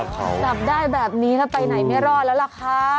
ตเข้าฮะผมทราบได้แบบนี้แล้วไปไหนไม่รอดแล้วครับค่ะ